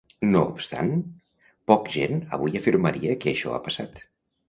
No obstant, poc gent avui afirmaria que això ha passat.